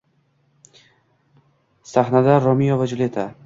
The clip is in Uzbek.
Sahnada Romeo va Juletta